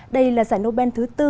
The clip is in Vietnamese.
đây là giải nobel thứ tư